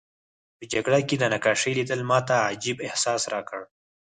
په جګړه کې د نقاشۍ لیدل ماته عجیب احساس راکړ